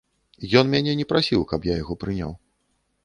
Ён мяне не прасіў, каб я яго прыняў.